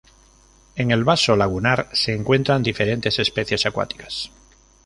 En el vaso lagunar se encuentran diferentes especies acuáticas.